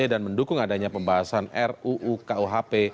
dan mendukung adanya pembahasan ruu kuhp